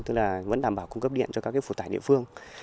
tức là vẫn đảm bảo cung cấp điện cho các phụ tải địa phương